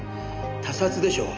他殺でしょう。